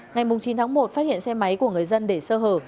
ngày chín tháng một phát hiện xe máy của người dân để sơ hở